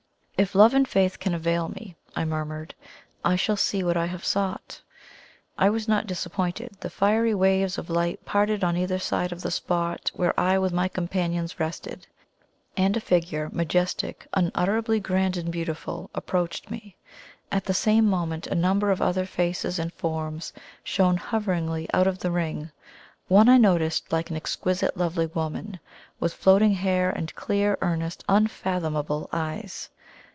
"If Love and Faith can avail me," I murmured, "I shall see what I have sought." I was not disappointed. The fiery waves of light parted on either side of the spot where I with my companions rested; and a Figure, majestic, unutterably grand and beautiful, approached me. At the same moment a number of other faces and forms shone hoveringly out of the Ring; one I noticed like an exquisitely lovely woman, with floating hair and clear, earnest, unfathomable eyes.